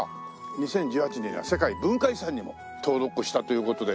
２０１８年には世界文化遺産にも登録したという事で。